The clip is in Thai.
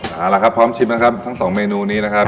เอาละครับพร้อมชิมนะครับทั้งสองเมนูนี้นะครับ